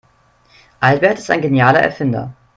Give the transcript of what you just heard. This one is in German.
Albert ist ein genialer Erfinder.